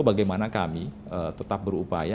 bagaimana kami tetap berupaya